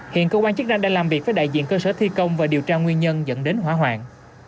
hiện công an chức năng đang làm việc với đại diện cơ sở thi công và điều tra nguyên nhân dẫn đến hóa hoạn